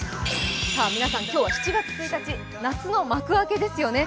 皆さん、今日は７月１日、夏の幕開けですよね。